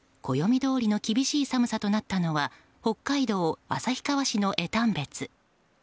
暦どおりの厳しい寒さとなったのは北海道旭川市の江丹別。